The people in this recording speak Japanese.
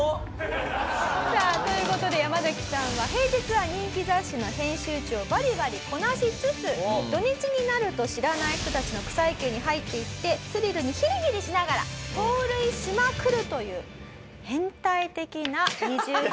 さあという事でヤマザキさんは平日は人気雑誌の編集長をバリバリこなしつつ土日になると知らない人たちの草野球に入っていってスリルにヒリヒリしながら盗塁しまくるという変態的な二重生活を送ってらっしゃいます。